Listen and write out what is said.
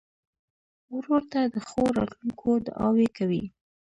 ورور ته د ښو راتلونکو دعاوې کوې.